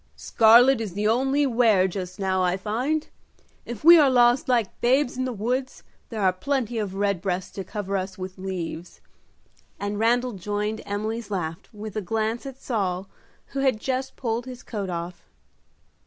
"Scarlet is the only wear just now, I find. If we are lost like babes in the woods there are plenty of redbreasts to cover us with leaves," and Randal joined Emily's laugh, with a glance at Saul, who had just pulled his coat off.